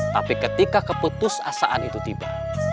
tapi ketika keputus asaan itu tiba